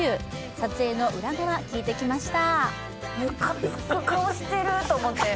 撮影の裏側、聞いてきました。